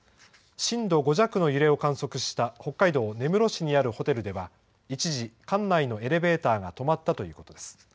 震度５弱揺れを観測した北海道根室市にあるホテルでは、一時、館内のエレベーターが止まったということです。